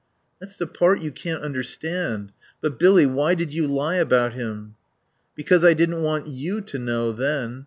"That's the part you can't understand.... But, Billy, why did you lie about him?" "Because I didn't want you to know, then.